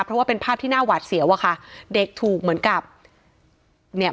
เพราะว่าเป็นภาพที่น่าหวาดเสียวอะค่ะเด็กถูกเหมือนกับเนี่ย